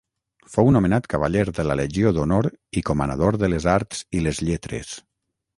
Fou nomenat cavaller de la Legió d'Honor i comanador de les Arts i les Lletres.